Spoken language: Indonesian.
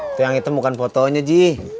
itu yang hitam bukan fotonya ji